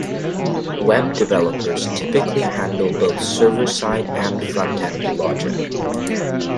Web developers typically handle both server-side and front-end logic.